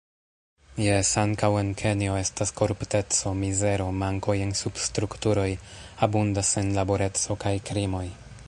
Jes, ankaŭ en Kenjo estas korupteco, mizero, mankoj en substrukturoj, abundas senlaboreco kaj krimoj.